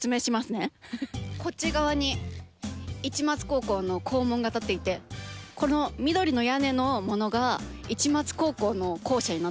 こっち側に市松高校の校門が立っていてこの緑の屋根のものが市松高校の校舎になってるんです。